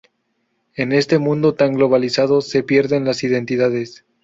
En este mundo tan globalizado se pierden las identidades